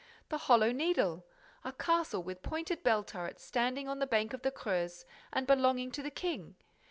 The Hollow Needle! A castle with pointed bell turrets standing on the bank of the Creuse and belonging to the King.